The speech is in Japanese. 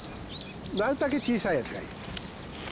なるたけ小さいやつがいい。